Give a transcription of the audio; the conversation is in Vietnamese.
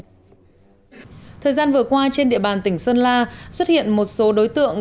thời gian vừa qua trên địa bàn tỉnh sơn la xuất hiện một số đối tượng